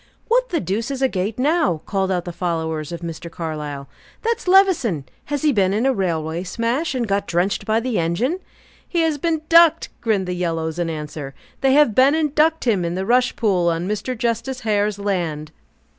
"What the deuce is a gate now?" called out the followers of Mr. Carlyle. "That's Levison! Has he been in a railway smash, and got drenched by the engine?" "He has been ducked!" grinned the yellows, in answer. "They have been and ducked him in the rush pool on Mr. Justice Hare's land."